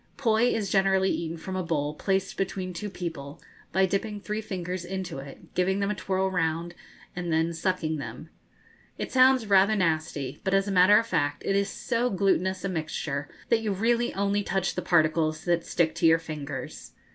Poi is generally eaten from a bowl placed between two people, by dipping three fingers into it, giving them a twirl round, and then sucking them. It sounds rather nasty; but, as a matter of fact, it is so glutinous a mixture that you really only touch the particles that stick to your fingers.